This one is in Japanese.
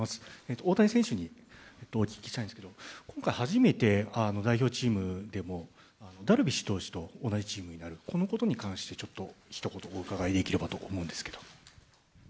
大谷選手にお聞きしたいんですけれども、今回初めて、代表チームでも、ダルビッシュ投手と同じチームになる、このことに関して、ちょっとひと言お伺いできればと思うんですけど。